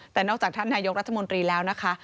แต่นอกจากท่านนายกรัฐมนตรีแล้วนะคะ